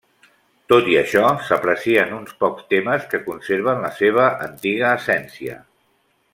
Tot i això s'aprecien uns pocs temes que conserven la seva antiga essència.